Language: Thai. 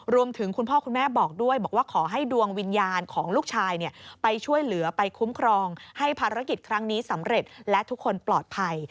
คุณพ่อคุณแม่บอกด้วยบอกว่าขอให้ดวงวิญญาณของลูกชายไปช่วยเหลือไปคุ้มครองให้ภารกิจครั้งนี้สำเร็จและทุกคนปลอดภัย